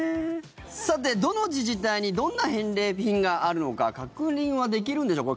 さて、どの自治体にどんな返礼品があるのか確認はできるんでしょうか。